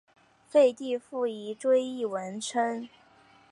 废帝溥仪追谥文慎。